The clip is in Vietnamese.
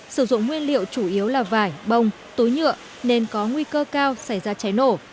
sử dụng nguyên liệu chủ yếu là vải bông tối nhựa nên có nguy cơ cao xảy ra cháy nổ